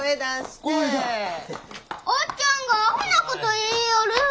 おっちゃんがアホなこと言いよる。